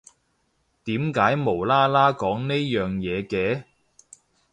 點解無啦啦講呢樣嘢嘅？